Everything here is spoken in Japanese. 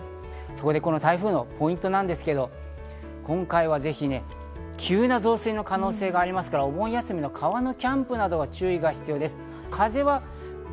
そこでこの台風のポイントですが、今回はぜひね、急な増水の可能性がありますから、お盆休みの川のキャンプなどに注意が必要です。